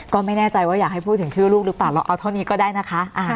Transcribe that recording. ก็ไม่แน่ใจว่าอยากให้พูดถึงชื่อลูกหรือเปล่าเราเอาเท่านี้ก็ได้นะคะ